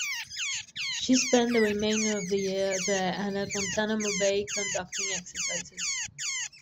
She spent the remainder of the year there and at Guantanamo Bay conducting exercises.